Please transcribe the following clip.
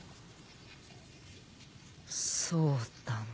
そうだな。